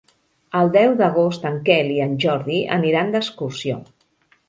El deu d'agost en Quel i en Jordi aniran d'excursió.